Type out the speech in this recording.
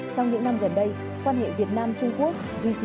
trong những năm gần đây quan hệ việt nam trung quốc duy trì